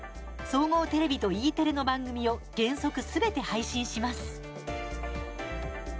総合テレビとＥテレの番組を原則すべて配信します。